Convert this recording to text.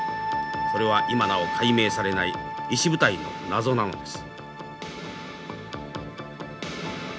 それは今なお解明されない石舞台の謎なのです。